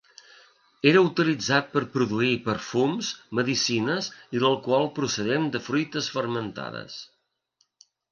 Era utilitzat per a produir perfums, medicines i l'alcohol procedent de fruites fermentades.